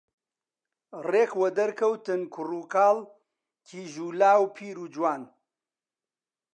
ڕێک وەدەرکەوتن کوڕوکاڵ، کیژ و لاو، پیر و جوان